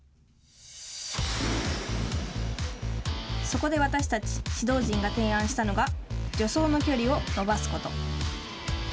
そこで私たち指導陣が提案したのが助走の距離を伸ばすこと。